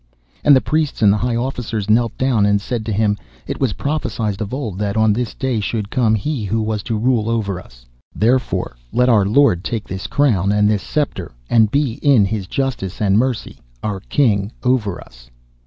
And the priests and the high officers knelt down and said to him, 'It was prophesied of old that on this day should come he who was to rule over us. Therefore, let our lord take this crown and this sceptre, and be in his justice and mercy our King over us.